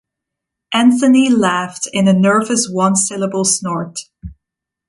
Anthony laughed in a nervous one-syllable snort.